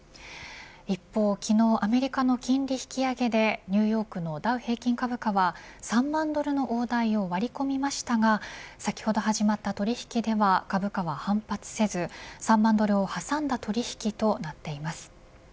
一方昨日アメリカの金利引き上げでニューヨークのダウ平均株価は３万ドルの大台を割り込みましたが先ほど始まった取引では株価は反発せず３万ドルを挟んだ取引となっています。